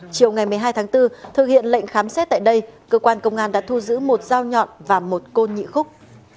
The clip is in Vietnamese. chiều ngày một mươi hai tháng bốn thực hiện lệnh khám xét tại đây cơ quan công an đã thu giữ một dao nhọn và một côn nhị khúc